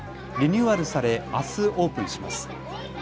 リニューアルされあすオープンします。